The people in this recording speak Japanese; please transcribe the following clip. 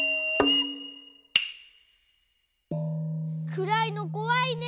くらいのこわいね。